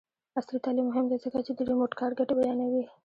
عصري تعلیم مهم دی ځکه چې د ریموټ کار ګټې بیانوي.